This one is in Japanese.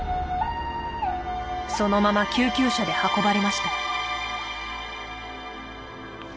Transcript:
そのまま救急車で運ばれました。